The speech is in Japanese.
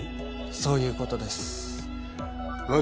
そういうことですまあ